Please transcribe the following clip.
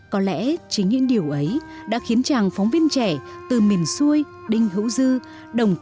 có lẽ chính những điều ấy đã khiến chàng phóng viên trẻ từ mình xuôi đến hữu dư đồng tựa